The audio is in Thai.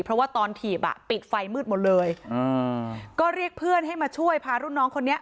เพราะว่าตอนถีบอ่ะปิดไฟมืดหมดเลยอ่าก็เรียกเพื่อนให้มาช่วยพารุ่นน้องคนนี้